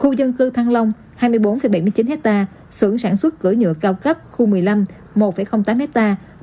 khu dân cư thăng long hai mươi bốn bảy mươi chín hectare xưởng sản xuất cửa nhựa cao cấp khu một mươi năm một tám hectare